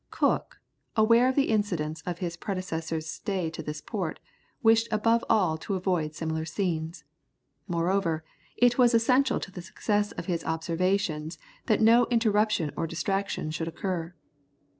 Cook, aware of the incidents of his predecessor's stay in this port, wished above all to avoid similar scenes. Moreover, it was essential to the success of his observations that no interruption or distraction should occur.